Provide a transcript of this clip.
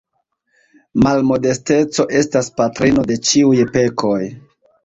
Malmodesteco estas patrino de ĉiuj pekoj.